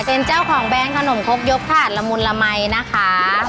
เป็นเจ้าของแบรนด์ขนมคกยกถาดละมุนละมัยนะคะ